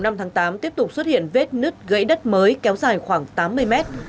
tỉnh đắk nông tiếp tục xuất hiện vết nứt gãy đất mới kéo dài khoảng tám mươi mét